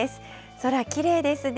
空、きれいですね。